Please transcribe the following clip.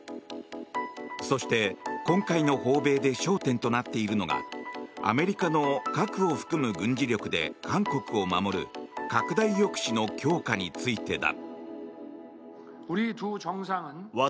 そして、今回の訪米で焦点となっているのがアメリカの核を含む軍事力で韓国を守る拡大抑止の強化についてだ。